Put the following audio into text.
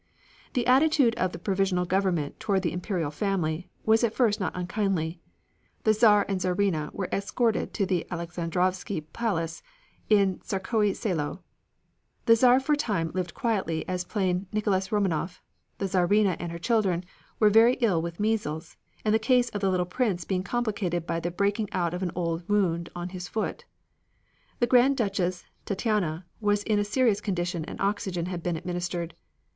The attitude of the provisional government toward the Imperial family was at first not unkindly. The Czar and the Czarina were escorted to the Alexandrovsky Palace in Tsarskoe Selo. The Czar for a time lived quietly as plain Nicholas Romanov. The Czarina and her children were very ill with measles, the case of the little Prince being complicated by the breaking out of an old wound in his foot. The Grand Duchess Tatiana was in a serious condition and oxygen had been administered.